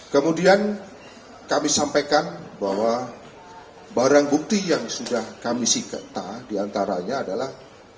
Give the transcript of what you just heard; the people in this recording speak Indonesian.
kemudian kami sampaikan bahwa barang bukti yang sudah kami siketa diantaranya adalah